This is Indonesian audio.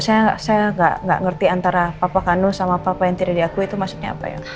saya nggak ngerti antara papa kanul sama papa yang tidak diakui itu maksudnya apa ya